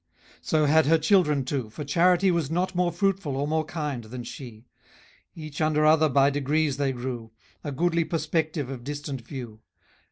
So had her children too; for charity Was not more fruitful, or more kind, than she: Each under other by degrees they grew; A goodly perspective of distant view.